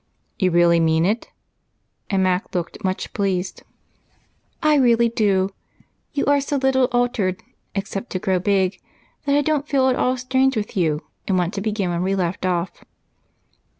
"You really mean it?" And Mac looked much pleased. "I really do. You are so little altered, except to grow big, that I don't feel at all strange with you and want to begin where we left off."